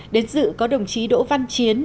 đến dự có đồng chí đỗ văn chiến